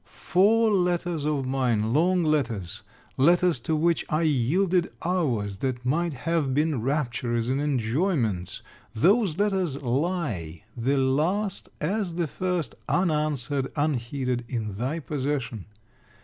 Four letters of mine, long letters, letters to which I yielded hours that might have been rapturous in enjoyments, those letters lie, the last as the first, unanswered, unheeded in thy possession.